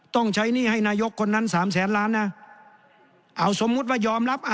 ต้องใช้หนี้ให้นายกคนนั้นสามแสนล้านนะเอาสมมุติว่ายอมรับอ่ะ